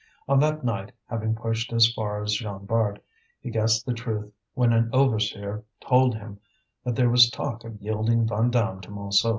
On that night, having pushed as far as Jean Bart, he guessed the truth when an overseer told him that there was talk of yielding Vandame to Montsou.